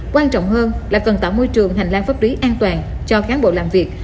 quan trọng hơn là cần tạo môi trường hành lang pháp lý an toàn cho cán bộ làm việc